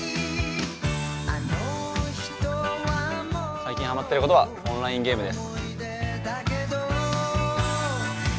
最近ハマっていることは、オンラインゲームです。